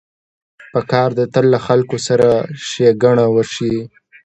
پکار ده تل له خلکو سره ښېګڼه وشي.